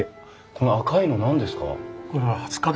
この赤いの何ですか？